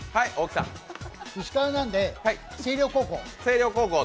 石川なんで、星稜高校。